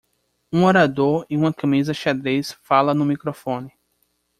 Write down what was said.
Um orador em uma camisa xadrez fala no microfone.